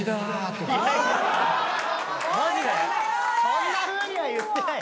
そんなふうには言ってない。